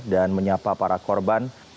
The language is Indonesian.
dan menyapa para korban